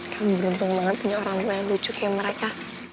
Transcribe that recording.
kami beruntung banget punya orang tua yang lucu kayak mereka